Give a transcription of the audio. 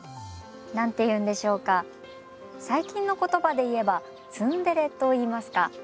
何て言うんでしょうか最近の言葉で言えばツンデレといいますか。